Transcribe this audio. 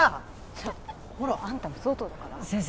ちょっとあんたも相当だから先生